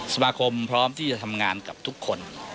พร้อมที่จะทำงานกับทุกคน